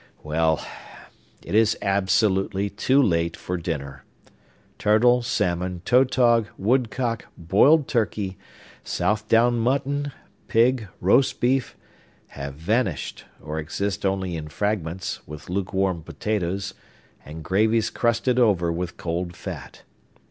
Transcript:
Well; it is absolutely too late for dinner! Turtle, salmon, tautog, woodcock, boiled turkey, South Down mutton, pig, roast beef, have vanished, or exist only in fragments, with lukewarm potatoes, and gravies crusted over with cold fat.